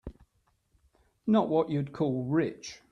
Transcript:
Not what you'd call rich.